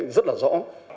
rất là rõ